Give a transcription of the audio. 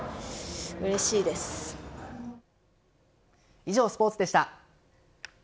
以上、スポーツでした。